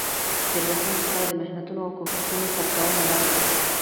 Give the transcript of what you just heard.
تیروتنې ستا د محنتونو او کوښښونو ثبوتونه دي.